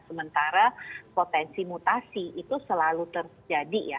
sementara potensi mutasi itu selalu terjadi ya